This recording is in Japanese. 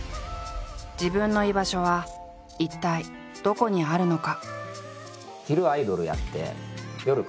「自分の居場所は一体どこにあるのか？」。